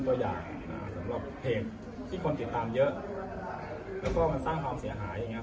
ตัวอย่างสำหรับเพจที่คนติดตามเยอะแล้วก็มันสร้างความเสียหายอย่างเงี